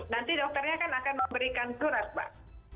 nanti dokternya kan akan memberikan surat pak